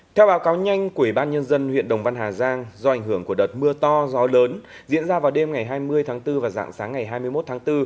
theo báo cáo nhanh của ủy ban nhân dân huyện đồng văn hà giang do ảnh hưởng của đợt mưa to gió lớn diễn ra vào đêm ngày hai mươi tháng bốn và dạng sáng ngày hai mươi một tháng bốn